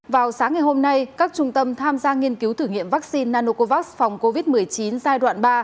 vào sáng ngày hôm nay các trung tâm tham gia nghiên cứu thử nghiệm vaccine nanocovax phòng covid một mươi chín giai đoạn ba